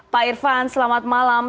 pak irvan selamat malam